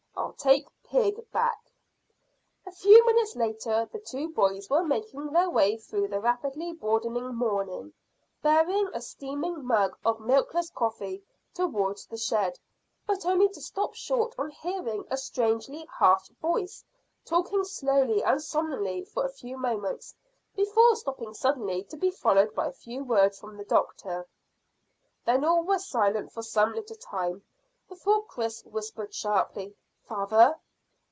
"I'll take pig back." A few minutes later the two boys were making their way through the rapidly broadening morning, bearing a steaming mug of milkless coffee towards the shed, but only to stop short on hearing a strangely harsh voice talking slowly and solemnly for a few moments, before stopping suddenly, to be followed by a few words from the doctor. Then all was silent for some little time, before Chris whispered sharply "Father!"